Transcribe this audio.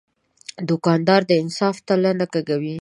دوکاندار د انصاف تله نه کږوي.